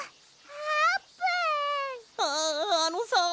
ああのさ。